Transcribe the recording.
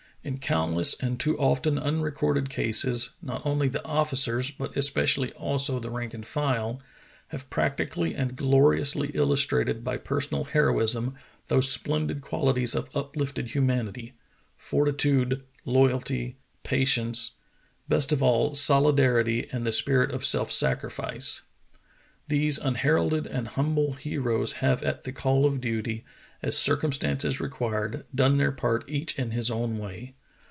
In countless and too often unrecorded cases not only the officers, but especially also the rank and file, have practically and gloriously illustrated by personal heroism those splen did qualities of uplifted humanity — fortitude, loyalty, patience, best of all, solidarity and the spirit of self sacrifice. These unheralded and humble heroes have at the call of duty, as circumstances required, done their part each in his own way.